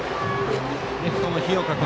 レフトの日岡君